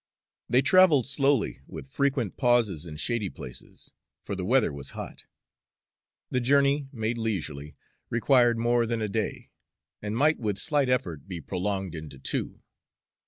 They traveled slowly, with frequent pauses in shady places, for the weather was hot. The journey, made leisurely, required more than a day, and might with slight effort be prolonged into two.